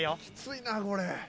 きついなこれ。